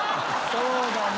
そうだな。